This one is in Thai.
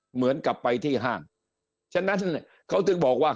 เหมือนกับไปที่ห้างฉะนั้นเขาถึงบอกว่า